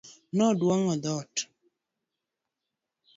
Noduong'o dhoot.